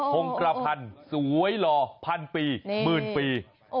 คงกระพันธ์สวยหล่อพันปีหมื่นปี